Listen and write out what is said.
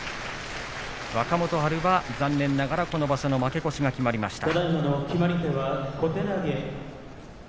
若元春は残念ながらこの場所の負け越しが決まりました。